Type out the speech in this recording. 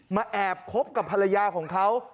มาแอบคบกับพลายาของเขา